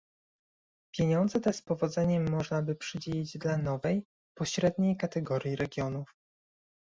Pieniądze te z powodzeniem można by przydzielić dla nowej, pośredniej kategorii regionów